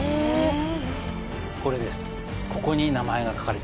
これです。